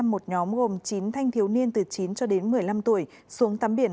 một nhóm gồm chín thanh thiếu niên từ chín cho đến một mươi năm tuổi xuống tắm biển